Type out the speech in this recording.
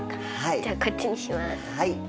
じゃあこっちにします。